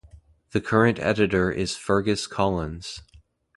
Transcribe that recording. The current editor is Fergus Collins.